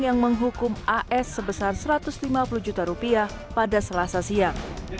yang menghukum as sebesar satu ratus lima puluh juta rupiah pada selasa siang